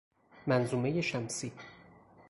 منظومه شمسی